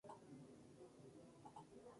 Las alas y cola son iguales a las del macho.